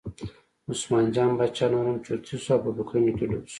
عثمان جان باچا نور هم چرتي شو او په فکرونو کې ډوب شو.